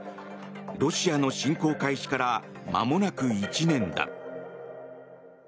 ロシアの侵攻開始からまもなく１年だ。